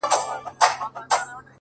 پرون یې کلی، نن محراب سبا چنار سوځوي -